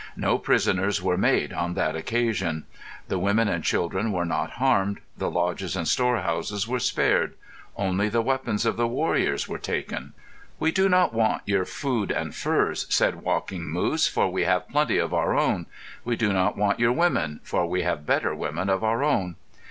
No prisoners were made on that occasion. The women and children were not harmed, the lodges and storehouses were spared. Only the weapons of the warriors were taken. "We do not want your food and furs," said Walking Moose, "for we have plenty of our own. We do not want your women, for we have better women of our own."